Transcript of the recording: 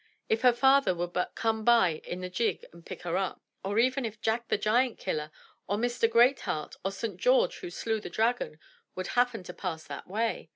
If her father would but come by in the gig and pick her up ! Or even if Jack the Giantkiller, or Mr. Greatheart, or St. George who slew the dragon would happen to pass that way!